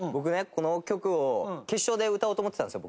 この曲を決勝で歌おうと思ってたんですよ